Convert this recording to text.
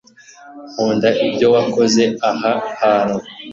nkunda ibyo wakoze aha hantu